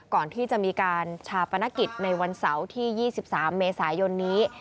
ก่อนที่จะมีการชาปนกิจในวันเสาร์ที่๒๓เมษายนนี้